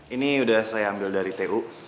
ini sudah saya ambil dari tu